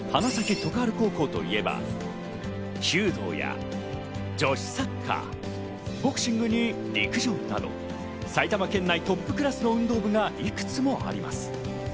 花咲徳栄高校といえば、弓道や女子サッカー、ボクシングに陸上など、埼玉県内トップクラスの運動部がいくつもあります。